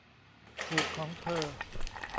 ถูกของเธอ